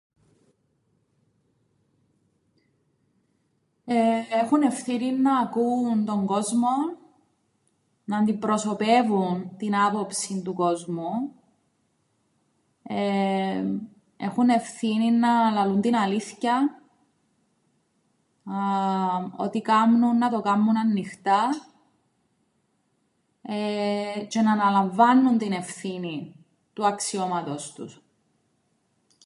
Εεε, έχουν ευθύνη να ακούουν τον κόσμον, να αντιπροσωπεύουν την άποψην του κόσμου, εεε, έχουν ευθύνην να λαλούν την αλήθκειαν, αααμ, ό,τι κάμνουν να το κάμνουν αννοιχτά, εεε, τζ̌αι να αναλαμβάννουν την ευθύνη του αξιώματος τους.